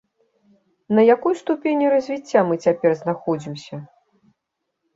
На якой ступені развіцця мы цяпер знаходзімся?